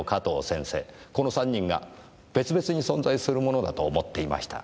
この３人が別々に存在するものだと思っていました。